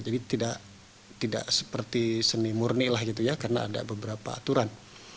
jadi tidak seperti seni murni lah gitu ya karena ada beberapa aturan